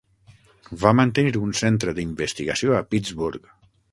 Va mantenir un centre d'investigació a Pittsburgh.